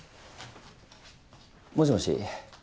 もしもし。